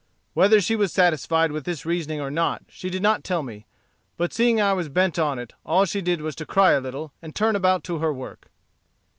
Whether she was satisfied with this reasoning or not she did not tell me, but seeing I was bent on it, all she did was to cry a little, and turn about to her work."